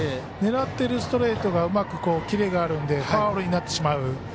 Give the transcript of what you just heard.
狙っているストレートがうまくキレがあるのでファウルになってしまう。